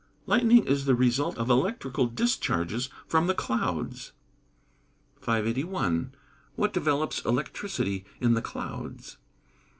_ Lightning is the result of electrical discharges from the clouds. 581. _What develops electricity in the clouds?